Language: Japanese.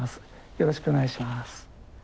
よろしくお願いします。